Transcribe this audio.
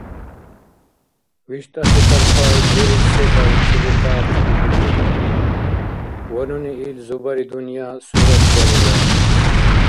ВиштӀаси талхъай лерил секӀал чедетаахъили дуриб, ва нуни ил зубари-дунъя суратбарира.